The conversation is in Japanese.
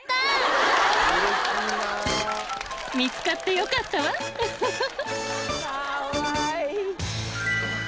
［見つかってよかったわウフフフ］